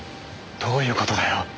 どういう事だよ？